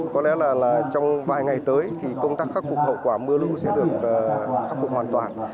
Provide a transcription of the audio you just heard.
có lẽ là trong vài ngày tới thì công tác khắc phục hậu quả mưa lũ sẽ được khắc phục hoàn toàn